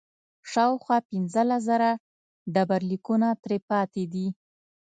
شاوخوا پنځلس زره ډبرلیکونه ترې پاتې دي.